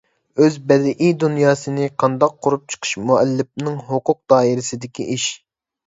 ئۆز بەدىئىي دۇنياسىنى قانداق قۇرۇپ چىقىش مۇئەللىپنىڭ ھوقۇق دائىرىسىدىكى ئىش.